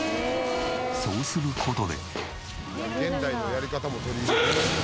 そうする事で。